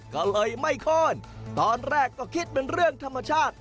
ก็เลยไม่โค้นตอนแรกก็คิดเป็นเรื่องธรรมชาติ